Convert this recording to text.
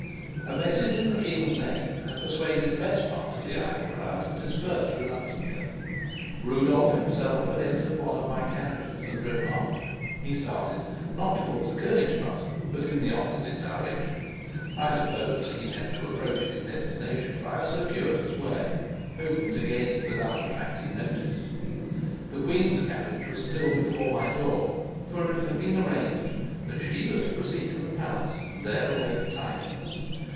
A message in the king's name had persuaded the best part of the idle crowd to disperse reluctantly. Rudolf himself had entered one of my carriages and driven off. He started not towards the Konigstrasse, but in the opposite direction: I supposed that he meant to approach his destination by a circuitous way, hoping to gain it without attracting notice. The queen's carriage was still before my door, for it had been arranged that she was to proceed to the palace and there await tidings.